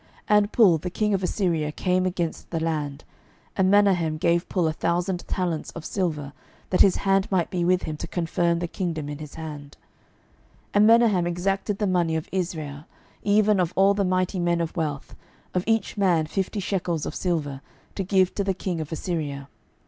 12:015:019 And Pul the king of Assyria came against the land: and Menahem gave Pul a thousand talents of silver, that his hand might be with him to confirm the kingdom in his hand. 12:015:020 And Menahem exacted the money of Israel, even of all the mighty men of wealth, of each man fifty shekels of silver, to give to the king of Assyria.